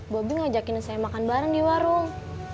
bobi ngajakin saya makan bareng di warung